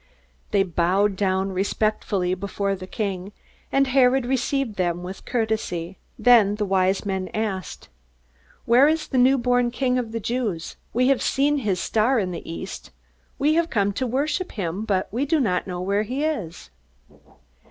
They bowed down respectfully before the king, and Herod received them with courtesy. Then the Wise Men asked: "Where is the newborn King of the Jews? We have seen his star in the east. We have come to worship him, but we do not know where he is."